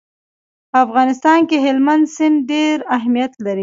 په افغانستان کې هلمند سیند ډېر اهمیت لري.